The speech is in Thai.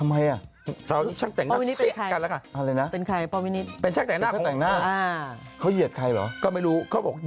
ไม่ชอบการพบกับเธอมาก